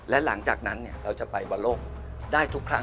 และหลังจากนั้นเราจะไปบอลโลกได้ทุกครั้ง